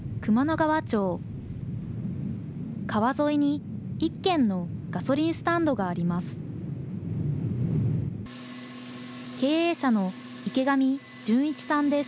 川沿いに一軒のガソリンスタンドがあります。